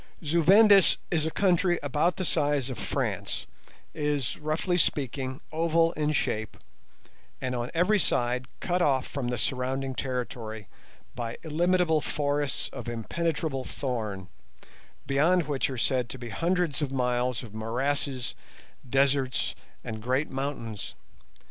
Zu Vendis is a country about the size of France, is, roughly speaking, oval in shape; and on every side cut off from the surrounding territory by illimitable forests of impenetrable thorn, beyond which are said to be hundreds of miles of morasses, deserts, and great mountains.